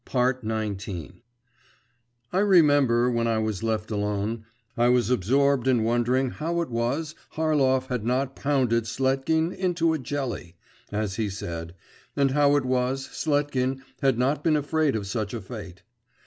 XIX I remember, when I was left alone, I was absorbed in wondering how it was Harlov had not pounded Sletkin 'into a jelly,' as he said, and how it was Sletkin had not been afraid of such a fate.